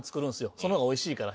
その方がおいしいから。